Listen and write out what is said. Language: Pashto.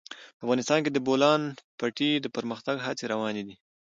افغانستان کې د د بولان پټي د پرمختګ هڅې روانې دي.